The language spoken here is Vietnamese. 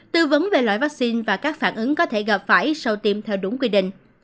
tư vấn về loại vaccine và các phản ứng có thể gặp phải sau tiêm theo đúng quy định